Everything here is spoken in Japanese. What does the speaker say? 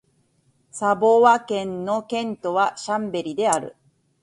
サヴォワ県の県都はシャンベリである